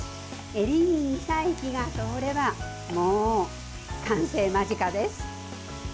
エリンギにさえ火が通ればもう完成間近です。